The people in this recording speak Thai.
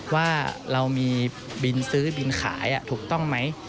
ว่าเรามีบินซื้อบินขายถูกต้องไหม